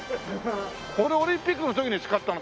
これオリンピックの時に使った？